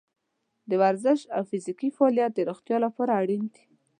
د ورزش او فزیکي فعالیت د روغتیا لپاره اړین دی.